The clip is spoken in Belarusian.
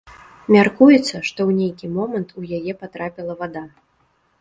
Мяркуецца, што ў нейкі момант у яе патрапіла вада.